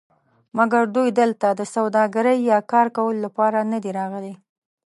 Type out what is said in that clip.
مګر دوی دلته د سوداګرۍ یا کار کولو لپاره ندي راغلي.